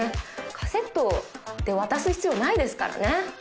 カセットで渡す必要ないですからね